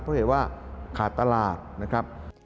เพราะเหตุว่าขาดตลาดนะครับ